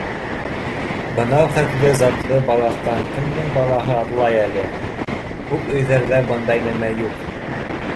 — Бынау хәтле затлы балаҫтан кемдең балаһы атлай әле? Күп өйҙәрҙә бындай нәмә юҡ!